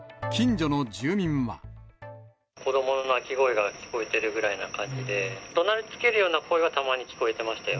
子どもの泣き声が聞こえてるぐらいな感じで、どなりつけるような声は、たまに聞こえてましたよ。